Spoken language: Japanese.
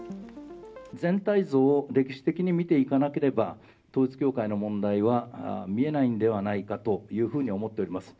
全体像を歴史的に見ていかなければ、統一教会の問題は見えないんではないかというふうに思っております。